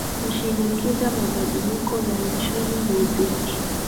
ushinikiza mabadiliko ya uchumi muziki